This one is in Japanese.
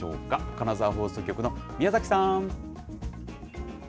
金沢放送局の宮崎さん。